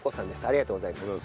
ありがとうございます。